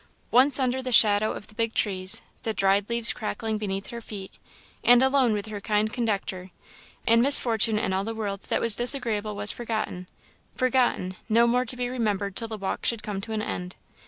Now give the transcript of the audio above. Once under the shadow of the big trees, the dried leaves crackling beneath her feet, and alone with her kind conductor and Miss Fortune and all in the world that was disagreeable was forgotten forgotten, no more to be remembered till the walk should come to an end.